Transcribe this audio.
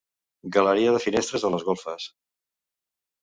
Galeria de finestres a les golfes.